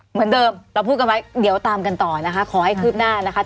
เหมือนเดิมเราพูดกันไว้เดี๋ยวตามกันต่อนะคะขอให้คืบหน้านะคะ